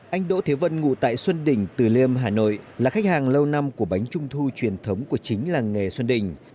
anh đỗ thế vân ngủ tại xuân đình từ liêm hà nội là khách hàng lâu năm của bánh trung thu truyền thống của chính làng nghề xuân đình